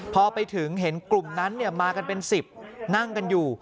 พอไปถึงเห็นกลุ่มนั้นมากันเป็น๑๐นั่งกันอยู่